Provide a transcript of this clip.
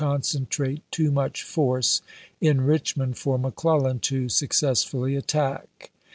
concentrate too much force in Richmond for McClellan to successfully attack.